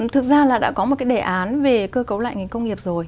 thực ra là đã có một cái đề án về cơ cấu lại ngành công nghiệp rồi